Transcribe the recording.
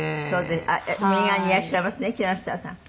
あっ右側にいらっしゃいますね木下さん。